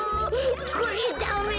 これダメだ。